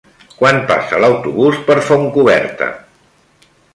Quan passa l'autobús per Fontcoberta?